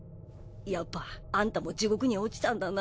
やっぱアンタも地獄に落ちたんだな。